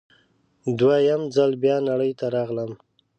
دوه یم ځل بیا نړۍ ته راغلم